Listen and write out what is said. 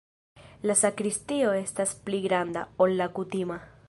La sakristio estas pli granda, ol la kutima.